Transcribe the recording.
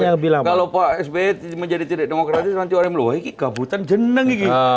kalau pak sby menjadi tidak demokratis nanti orang yang meluai ini kabutan jeneng